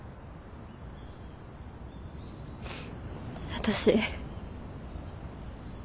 私。